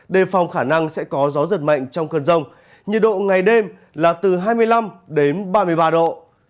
đề phòng khả năng sẽ có gió giật mạnh trong cơn rông nhiệt độ ngày đêm là từ hai mươi năm đến ba mươi ba độ